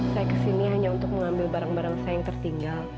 saya kesini hanya untuk mengambil barang barang saya yang tertinggal